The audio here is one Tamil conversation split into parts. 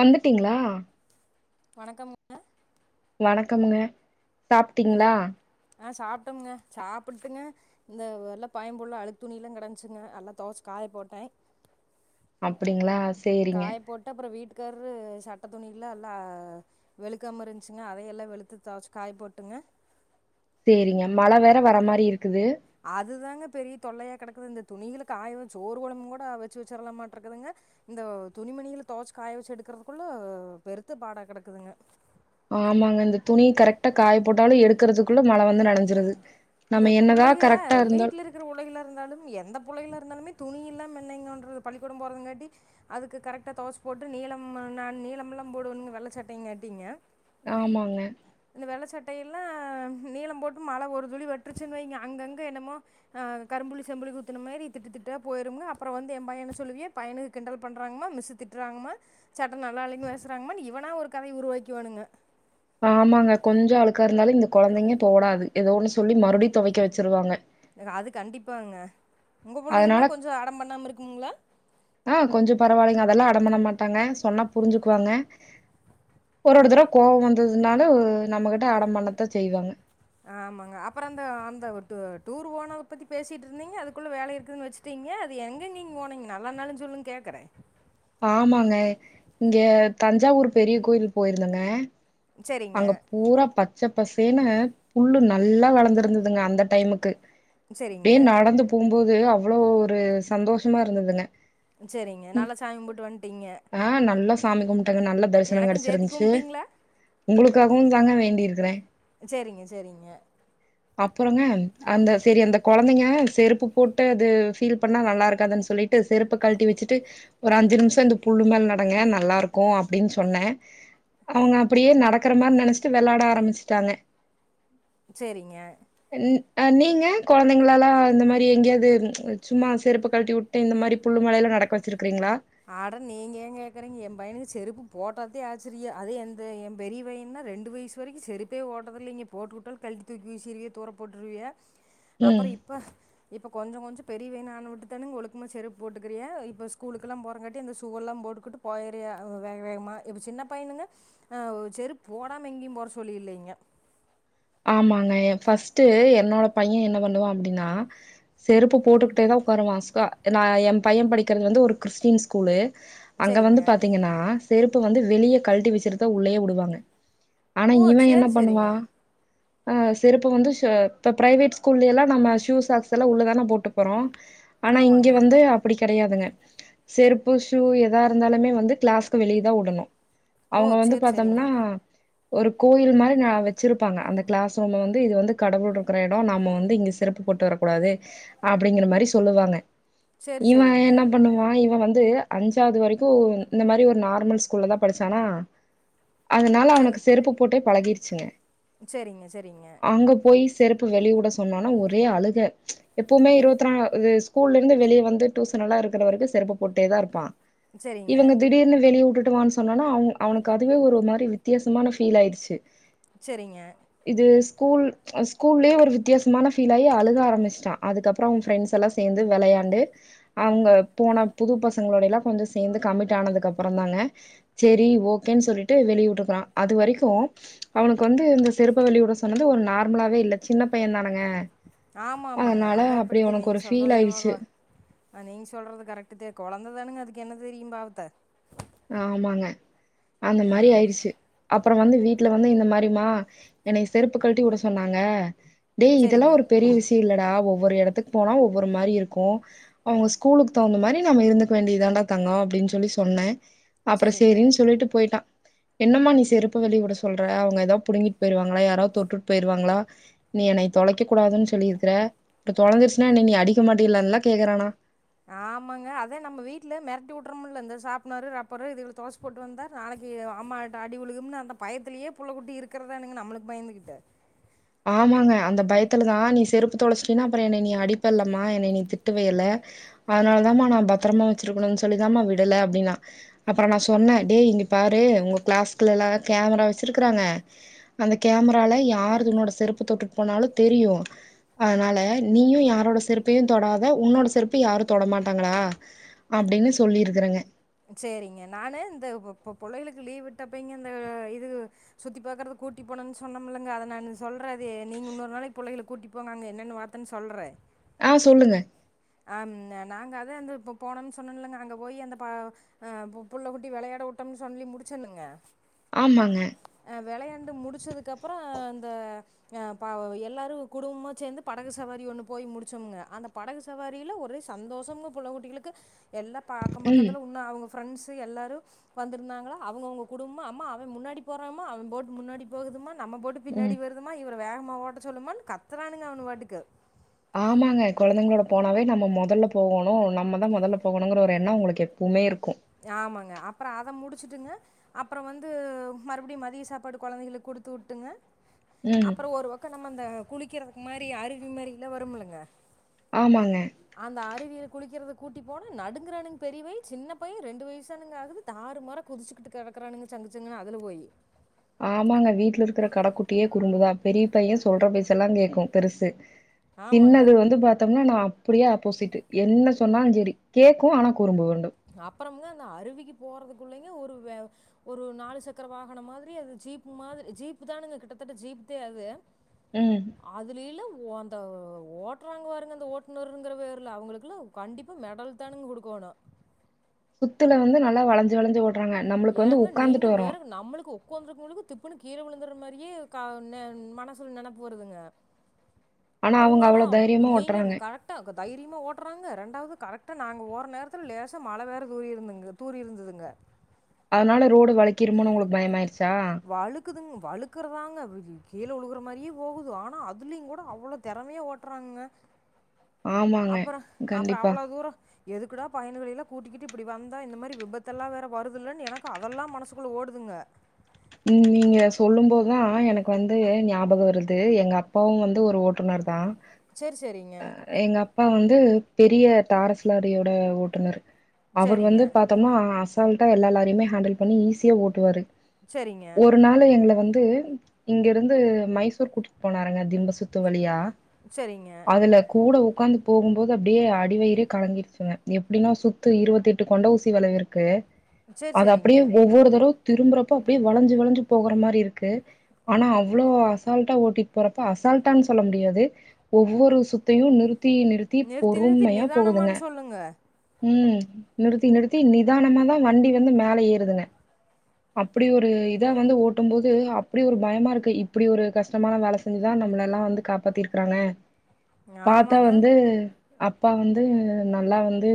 வந்துட்டீங்களா வணக்கமுங்க வணக்கமுங்க என்ன சாப்பிட்டீங்களா ஆ சாப்பட்டோம்ங்க சாப்படுட்டுங்க இந்த வெல்லாம் பயன்புள்ளை அழுக்கு துணியெ ல்லாம் கிடந்துச்சுங்க எல்லாம் தோவெச்சுசை காய போட்டேன் அப்டிங்களா சேரிங்க காய போட்டு அப்பறம் வீட்டு குக்கரு சட்ட துணியல்லாம் எல்லாம் வெளுக்காம இருந்துச்சுங்க அதைய எல்லாம் வெளுத்து துவச்ச காய போட்டுங்க சேரியங்க அதுதாங்க பெரிய தொல்லையா கெடக்குது இந்த துணிகளுக்கு காய வச்சு சோறு கொழம்பு கூட வச்சு வச்சுரலாமாட்டுருக்குதுங்க இந்த துணிமணிகில துவச்சு காய வச்சு எடுக்கிறதுக்குள்ள பெருத்து பாடா கெடக்குதுங்க ஆமாங்க இந்த துணி கரெக்டா காய போட்டாலும் எடுக்கறிறதுக்குள்ள மழை வந்து நனைஞ்சிருது இந்த புள்ளைக வீட்ல இருக்கிற புள்ளைகளா இருந்தாலும் எந்த புள்ளைகளா இருந்தாலுமே துணியில்லாம என்னங்க பண்றது பள்ளிக்கூடம் போகறதுங்காட்டி அதுக்கு கரெக்டா துவைச்சு போட்டு நீளம் நீளமெலாம் போடுவணுங்க வெள்ள சட்டைங்காட்டிங்க ஆமாங்க சட்டையெல்லாம் நீளம் போட்டு மழை ஒரு துளி வ வைங்க அங்கங்க என்னமோ கரும்புள்ளி செம்புள்ளி குத்துன மாரி திட்டு திட்டா போயிருங்க அப்பறம் வந்து என் பையன சொல்லியுங்க பையனுக கிண்டல் பண்றாங்கமா மிஸ் திட்டுறாங்கமா சட்ட நல்லாயில்லேனு பேசுறாங்கம்மா இவனா ஒரு கத உருவாக்கிவாணுங்க ஆமாங்க கொஞ்சம் அழுக்கா இருந்தாலும் இந்த கொழந்தைங்க தோணாது ஏதோ ஒன்னு சொல்லி மறு மறுபடி துவைக்க வச்சிருவாங்க அது கண்டிப்பாங்க உங்க புள்ளைக எல்லா அதனால கொஞ்சொ அடம் பண்ணாம இருக்கும்ங்ளா டம்மண மாட்டாங்க சொன்னா புரிஞ்சுக்குவாங்க ஒரு ஒரு தர்வ கோவொ வந்துதுனாலு நம்மகிட்ட அடம் பண்ணத்தா செய்வாங்க ஆமங்க அப்பற அந்த அந்தவு டூ டூரு போனத பத்தி பேசிட்டு இருந்தீங்க அதுக்குள்ள வேல இருக்குதுன் வெச்சுட்டீங்க அது எங்கங் நீங்போனீங்க நல்லா நாளு சொல்லுங் கேக்குறே ஆமாங்க இங்கெ தஞ்சாவூர் பெரிய கோயில் போயிருந்தங்க சரிங்க, அங்க பூரா பத் ச்ச பசேனுங்க புல்லு நல்லா வளந்திருந்துதுங்க அந்த டைமுக்கு சரிங்க, அப்டே நடந்து போகும் போது அவ்ளோ ஒரு சந்தோஷமா இருந்ததுங்க உம் சேரிங்க நாலா சாமி கும் புட்டு வந்ட்டீங்க ஆ நல்லா சாமி கும் ட்டு நல்ல தரிசனங் கெடச்சிருந்ச்சு உங்களுக்காகவுந் தாங்க வேண்டிருக்கிறே சேரிங்க சேரிங்க அப்போங்க அந்த செரி அந்த கொழந்தைங்க செருப்பு போட்டு அது ஃபீல் பண்ணா நல்லா இருக்காதுன் சொல்லிட் டு செருப்ப கழ்ட்டி வெச்சுட்டு ஒரு அஞ்சு நிம்ஷ இந்த புல்லு மேல நடங்க நல்லாருக்கு அப்டின் சொன்னே அவ்ங்க அப்டியே நடக்கிற மாரி நெனைச்சிட்டு வெளாட ஆரம்பிச்சுட்டாங்க சேரிங்க அஹ் நீங்க கொழந்தைங்ளலா இந்த மாரி எங்கேயாது ம் சும்மா செருப்ப கழ்ட்டிவிட்டு இந்த மாரி புல்லுமேலலா நடக்க வெச்சிருக் க்றீங்ளா ஆட நீங்க ஏங்கேக்குறீங்க எம் பையனுக்கு செருப்பு போட்டாத்தே ஆச்சிரிய அதே எந்த எ பெரிய வையன்னா ரெண்டு வய்சு வரைக்கு செருப்பே வோட்றதில்லைங்க போட்டுவுட்டாலு கல்டி தூக்கி வீசிருவிய தூர போட்ருவிய ம் அப்பற இப்ப இப்ப கொஞ்சோ கொஞ்சோ பெரிய வைய்னான விட்டுதானுங்க ஒழுக்கமா செருப் போட்டுக்கிறியா இப்ப ஸ்கூலுக் கெல்லா போறங்காட்டி அந்த சூவெல்லா போட்டுக்கிட்டு போயறியா அஹ் வேக வேகமா இப்ப சின்ன பையனுங்க அஹ் ஒ செருப் போடாம எங்கீம் போற சோலி இல்லைங்க ஆமாங்க எ ஃபஸ்ட்டு என்னோட பைய என்ன பண்ணுவா அப்டினா செருப்பு போட்டுக்கிட்டேதா உக்காருவா ஸ்கா நா எ பைய படிக்கிறது வந்து ஒரு க்றிஸ்டீன் ஸ்கூலு அங்க சரிங்க வந்து பாத்தீங்கனா செருப் க்க வந்து வெளிய கழ்ட்டி வெச்சிட்டுதா உள்ளயே விடுவாங்க ஆனா ஓ இவலா என்ன சரி பண்ணுவா சரிங்க ஓ செருப்ப வந்து சோ இப்ப பிரைவேட் ஸ்கூல்லயெல்லா நம்ம ஷூ சாக்ஸ்ஸெல்லா உள்ளதான போட்டு போறோ ஆனா இங்க ஆமாங்க வந்து அப்டி கெடையாதுங்க செருப்பு ஷூ எதா இருந்தாலுமே வந்து கிளாஸ்கு வெளியதா வுடனு ஓ அவ்ங்க வந்து சரி சரிங்க பாத்தம்னா ஒரு கோயில் மாரி நா வச்சிருப் ப்பாங்க அந்த கிளாஸ் ரூம வந்து இது வந்து கடவுள் இருக்குற எட நாம வந்து இங்க செருப்பு போட்டு வரக்கூடாது அப்டிங்கிற மாரி சொல்லுவாங்க சரி இவ சரிங்க என்ன பண்ணுவா இவ வந் ந்து அஞ்சாவ்து வரைக்கு இந்த மாரி ஒரு நார்மல் ஸ்கூல்லதா படிச்சானா அதனால அவனுக்கு செருப்பு போட்டே பழகிருச்சுங்க சேரிங்க சேரிங்க பு வெளியவுட சொன்னோன ஒரே அழுக. எப்போமே இருபத்துநா இது ஸ்கூல்ல இருந்து வெளிய வந்து டூசன் எல்லா இருக்கிற வரைக்கு செருப்பு போட்டேதா இருப்பா. சரிங்க இவங்க திடீர்னு, வெளியே வுட்டுட் டுவானு, சொன்னோன அவ அவனுக்கு அதுவே ஒரு மாரி வித்தியசமான ஃபீல் ஆயிடுச்சு, சேரிங்க இது ஸ்கூல் ஸ்கூல்லேயே, ஒரு வித்தியசமான ஃபீல் ஆகி அழுக ஆரம்பிச்சுட்டா அதுக்கப்பறோ அவ ஃப்ரெண்ட்ஸ் எல்லா சேந்து வெளையாண்டு அவங்க போன புது பசங்களோடைய எல்லா கொஞ்சோ சேந்து கமிட் ஆனதுக்கு அப்பறந்தாங்க சேரி ஓகேன்னு சொல்லிட்டு வெளிய வுட்டுருக்குறா, அது வரைக்கு அவனுக்கு வந்து இந்த செருப்ப வெளிய வட சொன்னது ஒரு நார்மலாவே இல்ல சின்ன பையந்தானங்க, ஆமா ஆமாங்க, அது அப்படித்த நீங்க ஃபீல் சொல்றது ஆயிடுச்சு என்னுமா நீங்க சொல்றது கரெக்டு கொழந்தைதானுங்க, அதுக்கு என்ன தெரியு பாவத்த ஆமாங்க அந்த மாரி ஆமா. ஆயிருச்சு அப் அப்பற வந்து வீட்ல வந்து இந்த மாரிமா என்னய செருப்பு கழட்டி உட சொன்னாங்க டே இதெல்லா சரிங்க, ஒரு பெரிய விஷய இல்ல டா ஒவ்வொரு எடத்துக்கு போனா ஒவ்வொரு மாரி இருக்கு அவங்க ஸ்கூலுக்கு தகுந்த மாரி நம்ம இருந்துக்க வேண்டிதான்டா தங்க அப்டின்னு சொல்லி சொன்ன அப்பற சரிங்க. சேரின்னு சொல்லிட்டு போயிட்டா என்னம்மா நீ செருப்ப வெளிய உட சொல்ற அவங்க எதா புடுங்கிட்டு போயிருவாங்களா யாராது தொட்டுட் போயிருவாங்ளா நீ என்னய தொலைக்க கூடாதுன் சொல்லிருக்கிற இப்ப தொலைஞ்சருச்சுனா என்னை நீ அடிக்க மாட்டில்லன்லா கேக்கறானா ஆமாங்க அதே நம்ம வீட்ல மெரட்டி உட்றமுல இந்த சாப்னரு ரப்பரு இதுகள தொலச்சு போட்டு வந்தா நாளைக்கு அம்மாட்ட அடி உழுகும்னு அந்த பயத்திலயே புள்ள குட்டி இருக்கிறதானுங்க நம்மளுக்கு பயந்துகிட்டு ஆமாங்க அந்த பயத்துலதா நீ செருப்பு தொலைச்சிட்டினா அப்பற என்னை நீ அடிப்பல்லமா என்னை நீ திட்டுவயல்ல அதனால தாமா நா பத்தரமா வெச்சிருக்கணுன் சொல்லிதாமா விடல அப்படின்னா அப்பற நா சொன்ன டேய் இங்க பாரு உங்க கிளாஸ்கிளலா கேமரா வெச்சிருக்கறாங்க அந்த கேமரால யாருதுன்னோட செருப்பு தொட்டுட்டு போனாலு தெரியு அதனால நீயு யாரோட செருப்பையு தொடாத உன்னோட செருப்பு யாரு தொடமாட்டாங்கடா அப்டின்னு சொல்லிருக்கறங்க. சேரிங்க நானு இந்த பு புள்ளைகளுக்கு லீவ் விட்டப்பய்ங்க இந்த இது சுத்தி பாக்குறதுக்கு கூட்டி போனேன்னு சொன்னமல்லங்க அத நானு சொல்ற அது நீங்க இன்னொரு நாளைக்கு பிள்ளைகள கூட்டிட் போங்க அங்க என்னன்னு வாத்தேன் சொல்ற ஆ சொல்லுங்க ஆ நாங்க அதா அந்த இப்ப போனன்னு சொன்னன்லங்க அங்க போயி அந்த ஆ புள்ள குட்டி வெளயாட உட்டம்னு சொல்லி முடிச்சனுங்க ஆமாங்க அ வெளையாண்டு முடிச்சதுக்கு அப்புற இந்த அ ப எல்லாரு குடும்பமா சேந்து படகு சவாரி ஒண்ணு போய் முடிச்சமுங்க அந்த படகு வரைல ஒரே சந்தோஷம்ங்க புள்ள குட்டிகளுக்கு எல்லா ப அக்கம் ம் பக்கத்துல உன்னோ அவங்க ஃப்ரெண்ட்ஸு எல்லாரு வந்திருந்தாங்களா அவங்கவுங்க குடும்பமா அம்மா அவ முன்னாடி போறாமா அவம் போட் முன்னாடி போகுதுமான் நம்ம போட்டு பின்னாடி ம் வருதும்மா இவரு வேகமா ஓட்ட சொல்லுமானு கத்துறானுங்க அவனு வாட்டுக்கு ஆமாங்க கொழந்தைங்களோட போனாவே நம்ம மொதல்ல போகோணு நம்மதா மொதல்ல போகணுங்கிற ஒரு எண்ண அவங்களுக்கு எப்பமே இருக்கு ஆமாங்க அப்பற அத முடிச்சுட்டுங்க அப்பற வந்து மறுபடியு மதிய சாப்பாடு கொழந்தைகளுக்கு குடுத்து உட்டுங்க ம் அப்பற ஒரு வக்க நம்ம அந்த குளிக்கறதுக்கு மாரி அருவி மாரி எல்லா வருமல்லங்க ஆமாங்க அந்த அருவியில குளிக்கறதுக் கூட்டி போன நடுங்கறானுங்க பெரிய வய சின்ன பைய ரெண்டு வயிசுதானுங்க ஆகுது தறுமாறா குதிச்சுகிட்டு கெடக்கறானுங்க சங்குச்சங்குன்னு அதுல போயி ஆமாங்க வீட்ல இருக்கிற கடக்குட்டியே குறும்புதா பெரிய பைய சொல்ற பேச்செல்லா கேக்கு பெருசு ஆமாங்க. சின்னது வந்து பாத்தம்னா நா அப்பிடியே ஆப்போசிட்டு என்ன சொன்னாலுஞ் சேரி கேக்கூ ஆன குறும்பு வண்டு ப்பறமுங்க அந்த அருவிக்கு போறதுக்குள்ளைங்க ஒரு வே ஒரு நாலு சக்கர வாகனம் மாதிரி அது ஜீப் மாதி ஜீப்பு தானுங்க கிட்டத்தட்ட ஜீப் தே அது ம் அதுலில்லா ஓ அந்த ஓட்றாங்க வாருங்க அந்த ஓட்நர்ங்கிற வேர்ல அவுங்களுக்கெல்லா கண்டிப்பா மெடல் தானுங்க குடுக்கோணு த்துல வந்து நல்லா வலஞ்சு வலஞ்சு ஓட் ஏங்க நீங்க வேற நம்முளுக்கு ஒக்கோந்துருக்கவுங்ளுக்கு திப்புனு கீழ விழுந்தர்ற மரியே க ந மனசுல நெனப்பு வருதுங்க ஆனா அவங்க அவுங்கானா அவ்ளோ தைரியமா நீங்கம் ஓட்றாங்க கரெக்டா க தைரிய மா ஓட்றாங்க ரெண்டாவது கரெக்டா நாங்க வொர நேரத்தில லேசா மழ வேற தூரி இருந்துங்கு தூரி இருந்துதுங்க அதனால ரோட வளை வழுக்குதுங் வழுக்குறதாங்க விஜி கீழ உழுகுற மாரியே போகுது ஆனா அதுலியுங்கூட அவ்ளோ தெறமையா ஓட்றாங்க ஆமாங்க அப்பறோ அப்பறோ கண்டிப்பா அவ்ள தூரோ எதுக்குடா பயனுங்களில்லா கூட்டிக்கிட்டு இப்பிடி வந்தோ இந்த மாரி விபத்தெல்லா வேற வருதில்லன் எனக்கு அதெல்லாம் மனசுக்குள்ள ஓடு துங்க உம் நீங்க சொல்லும் போதுதா எனக்கு வந்து ஞாபக வருது எங்க அப்பாவு வந்து ஒரு ஓட்டுநர் தா செரி செரிங்க ப்பா வந்து பெரிய டாரஸ் லாரியோட ஓட்டுநரு அவரு சரிங்க வந்து பாத்தம்னா ஆச சால்ட்டா எல்லா லாரியுமே ஹேண்டில் பண்ணி ஈஸியா ஓட்டுவாரு சரிங்க ஒரு நாளு எங்ள வந்து இங்கிருந்து மைசூர் கூட்டிட் போனாருங்க திம்ப சுத்து வழியா சரிங்க அதுல கூட க்காந்து போகும்போது அப்டியே அடிவயிறே கலங்கிருச்சுங்க எப்டின்னா சுத்து இருவத்தெட்டு கொண்ட ஊசி வளைவு இருக்கு சரி அது சரிங்க அப்படியே ஒவ்வொரு தடவ திரும்புறப்ப ப்டியே வளஞ்சு வளஞ்சு போகற மாரி இருக்கு ஆனா அவ்ளோ அசால்ட்டா ஓட்டிட் போறப்ப அசால்ட்டான் சொல்ல முடியாது ஒவ்வொரு சுத்தையு நிறு த்தி நிறுத்தி நிறுத்தி பொறும்மையா போகுதுங்க நிதானமான்னு சொல்லுங்க உம் நிறுத்தி நிறுத்தி நிதானமாதா வண்டி வந்து மேல ஏறுதுங்க அப் ப்பிடி ஒரு இதா வந்து ஓட்டும் போது அப்பிடி ஒரு பயமா இருக்கு இப்படி ஒரு கஷ்டமான வேல செஞ்சுதா நம்மளல்லா வந்து காப்பாத்திருக்கறாங்க பாத்தா ஆமாங்க வந்து அப்பா வந்து நல்லா வந்து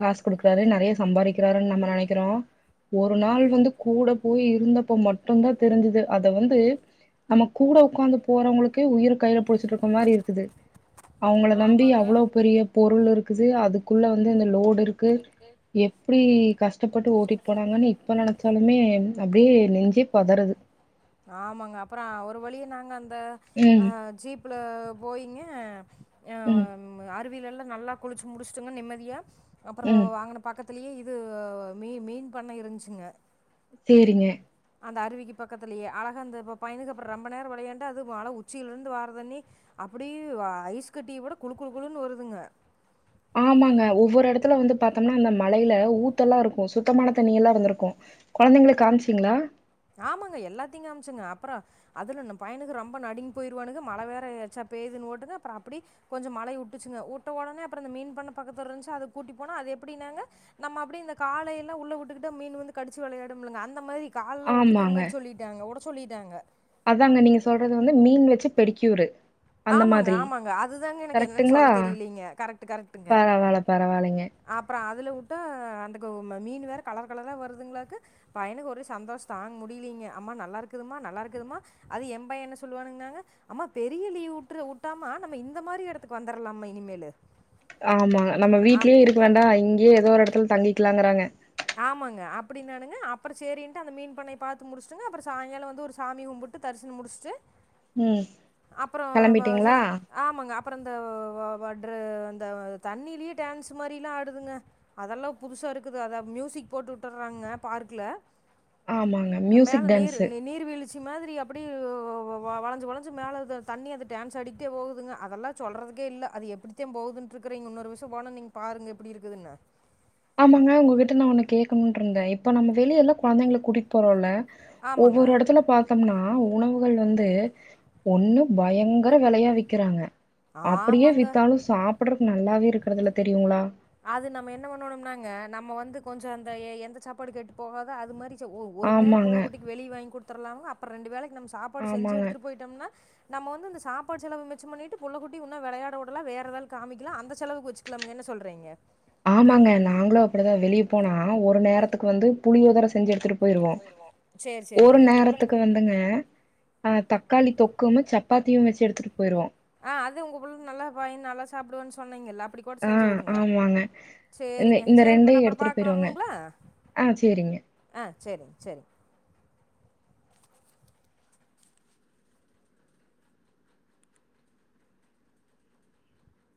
காசு குடுக்கறாரு நறைய சம்பாரிக்கறாருன் நம்ம நெனைக்கிறோ ஒரு நாள் வந்து கூட போய் இருந்தப்ப மட்டுந்தா தெரிஞ்சுது அத வந்து நம்ம கூட உக்கா இருக்க மாரி இருக்குது அவங்கள நம்பி ஆமாங்க அவ்ளோ பெரிய பொருள் இருக் க்குது அதுக்குள்ள வந்து இந்த லோடு இருக்கு எப்டி கஷ்டப்பட்டு ஓட்டிட்டு போனாங்கன்னு இப்ப நெனப் சாலுமே அப்டியே நெஞ்சே பதறது ஆமாங்க அப்றோ ஒரு வழிய நாங்க அந்த ந்த ம் ஜீப்ல போய்ங்க ஆ ம் அருவில எல்லாம் நல்லா குளிச்சு முடிச்சுட்டுங்க நிம்மதியா அப்றோ ம் அங்கன பக்க த்லயே இது மீ மீன் பண்ண இருந்துச்சுங்க சேரிங்க அந்த அருவிக்கு பக்கத்துலேயே அழகா அந்த இப்ப பையனுக அப்பறொ ரொம்ப நேரம் விளையாண்ட அது மலை உச்சியிலருந்து வார தண்ணி அப்டியே ஐஸ் கட்டிய விட குழு குழு குழுன்னு வருதுங்க ஆமாங்க ஒவ்வொரு இடத்துல வந்து பாத்தோம்னா அந்த மலைல ஊத்தெல்லா இருக்கும் சுத்தமான தண்ணி எல்லா இருந்துருக்கும் கொழந்தைங்களுக்கு காமிச்சீங்களா ஆமாங்க எல்லாத்தையு காமிச்சோங்க அப்பற அதுல இந்த பையனுக்கு ரொம்ப நடுங்கி போயிவானுங்க மழை வேற ஏச்சா பெயுதுன்ன ஓட்டுங்க அப்பற அப்படி கொஞ்ச மழை விட்டுச்சுங்க விட்ட உடனே அப்பற இந்த மீன் பண்ண பக்கத்தல இருந்துச்சு அதா கூட்டி போனா அது எப்டின்னாங்க நம்ம அப்படி இந்த காலைய எல்லா உள்ள விட்டுக்கிட்டு மீன் வந்து கடிச்சு விளையாடும்லங்க அந்த மாரி கால்ல உட் இருக்குற ஆமாங்க மாறி சொல்லிட்டாங்க உட சொல்லிட்டாங்க அதாங்க நீங்க சொல்றது வந்து மீன் வச்சு பெடிக்கியூரு ஆமாங்க ஆமாங்க அதுதாங்க எனக்கு என்னன்னு கரெக்ட்டுங்களா சொல்ல தெரியலங்க கரைக்ட் கரைக்ட்டுங்க பரவால்ல பரவால்லைங்க அப்பற அதுல வுட்டா அந்த மீன் வேற கலர் கல வருதுங்கலாக்கு பையனுக்கு ஒரே சந்தோஷ தாங்க முடியலிங்க அம்மா நல்லாருக்குதும்மா நல்லா இருக்குதும்மா அது எம் பைய என்ன சொல்லுவானுங்கன்னாங்க அம்மா பெரிய லீவு வுட்று ஊட்டாம்மா நம்ம இந்த மாரி இடத்துக்கு வந்துரலாமா இனிமேலு ஆமாங்க நம்ம வீட்லயே இருக்க வேண்டா இங்கேயே ஏதோ ஒரு எட தல தங்கிக்கலாங்றாங்க ஆமாங்க அப்டின்னானுங்க அப்பற சேரின்ட்டு அந்த மீன் பண்ணையை பாத்து முடிச்சுட்டங்க அப்பற சாய்ங்கால வந்து ஒரு சாமி கும்பிட்டு தரிசனு முடிச்சுட்டு ம் அப்றோ கெளம்பிட்டீங்களா? ஆமாங்க அப்பற இந்த ட்ரெ இந்த தண்ணிலயே டான்ஸ் மாரில்லா ஆடுதுங்க அதெல்லா புதுசா இருக்குது அத மியூசிக் போட்டு விட்டுர்றாங்க பார்க்ல ஆமாங்க மியூசிக் டான்ஸு சி மாதிரி அப்டி வ வ வளைஞ்சி வளைஞ்சி மேல இருக்ற தண்ணி அத டான்ஸ் ஆடிகிட்டே போகுதுங்க அதெல்லா சொல்றதுக்கே இல்ல அது எப்டித்தா போகுதுன்ட்டு இருக்றேங்க இன்னொரு விஷயம் போன நீங்க பாருங்க எப்டி இருக்குதுன்னு ஆமாங்க உங்ககிட்ட நா ஒண்ணு கேக்கணும்னு இருந்தே இப்ப நம்ம வெளிய எல்லா கொழந்தைங்கள கூட்டிகட்டு போறோம்ல ஆமாங்க ஒவ்வொரு எடத்துல பாத்தோம்னா உணவுகள் வந்து ஒண்ணு பயங்கர வெலையா விக்கிறாங்க அப்டியே ஆமாங்க வித்தாலு சாப்ட்றதுக்கு நல்லாவே இருக்றதுல்ல தெரியுங்களா அது நம்ம என்ன பண்ணனும்னாங்க நம்ம வந்து கொஞ்ச அந்த எ எந்த சாப்பாடு கெட்டு போகாதோ அது மாரி [inaudible] ஒ ஒரு நேர ஆமாங்க, புள்ள குட்டிக்கு வெளிய வாங்கி குடுத்தத்துர்லாங்க அப்றோ ரெண்டு வேலைக்கு நம் சாப்பாடு செஞ்சு ஆமாங்க, எடுத்துட்டு போயிட்டோம்னா நம்ம வந்து இந்த சாப்பாடு செலவு மிச்சு பண்ணிட்டு புள்ள குட்டி இன்னும் விளையாடவுடுலா வேற ஏதாது காமிக்கலா அந்த செலவுக்கு வச்சுக்கலங்க என் சொல்றீங்க ஆமாங்க நாங்களு அப்டிதா வெளிய போனா ஒரு நேரத்துக்கு வந்து புளியோதர செஞ்சு எடுத்துடு போயிருவோ சரி ஒரு சரிங்க நேரத்துக்கு வந்துங்க ஆஹ் தக்காளி தொக்கு [unintelligible] சப்பாத்தியும் வச்சு எடுத்துட்டு போயிருவோ ஆஹ் அது உங்க புள்ள நல்லா பாய நல்லா சாப்டுவன்னு சொன்னீங்கல்ல அப்டி கூட ஆ செஞ்சு குடுங்க ஆமாங்க. இந்த செரிங்க இந்த செரி பின் அப்றோ எடுத்துட்டு போயிருவோங்க. பாக்கலாம்னுங்களா ஆ சரிங்க. ஆஹ் செரிங் செரிங்